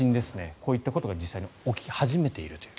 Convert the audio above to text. こういったことが実際に起き始めているという。